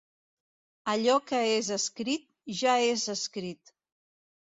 Allò que és escrit, ja és escrit.